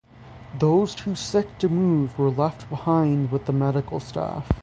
Those too sick to move were left behind with the medical staff.